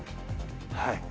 はい。